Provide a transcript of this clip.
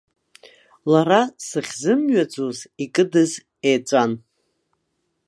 Лара сахьзымҩаӡоз икыдыз еҵәан.